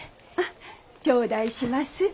あっ頂戴します。